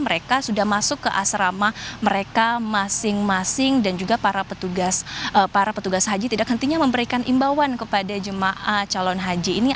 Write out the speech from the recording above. mereka sudah masuk ke asrama mereka masing masing dan juga para petugas para petugas haji tidak hentinya memberikan imbauan kepada jemaah calon haji ini